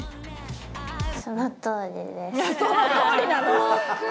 そのとおりなの！？